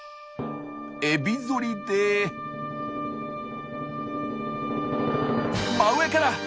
エビ反りで真上から！